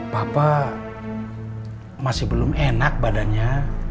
papa masih belum enak badannya